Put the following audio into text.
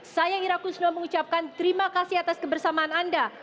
saya irakun suno mengucapkan terima kasih atas kebersamaan anda